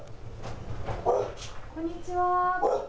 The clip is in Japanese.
こんにちは。